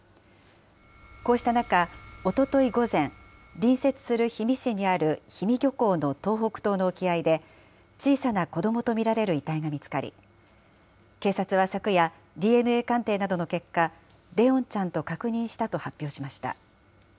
こうした中、おととい午前、隣接する氷見市にある氷見漁港の東北東の沖合で、小さな子どもと見られる遺体が見つかり、警察は昨夜、ＤＮＡ鑑定などの結果、怜音ちゃんと確認したと発表しました。